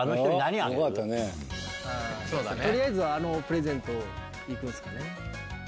取りあえずはあのプレゼント行くんすかね。